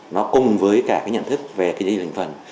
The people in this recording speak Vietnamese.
nó cùng với cả cái nhận thức về kinh doanh hình phần